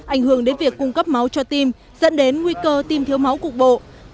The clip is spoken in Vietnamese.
ảnh hưởng đến việc cung cấp máu cho tim dẫn đến nguy cơ tim thiếu máu cục bộ